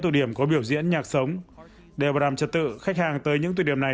tù điểm có biểu diễn nhạc sống để bảo đảm trật tự khách hàng tới những tù điểm này